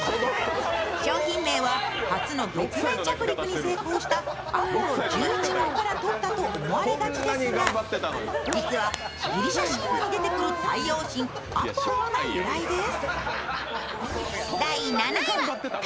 商品名は初の月面着陸に成功したアポロ１１号からとったと思われがちですが実はギリシャ神話に出てくる太陽神・アポロンが由来です。